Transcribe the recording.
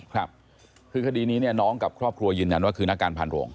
ครับคือคดีนี้เนี่ยน้องกับครอบครัวยืนยันว่าคือนักการพันโรง